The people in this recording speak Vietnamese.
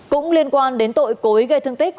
cũng liên quan đến tội cố ý gây thương tích